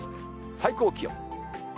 最高気温。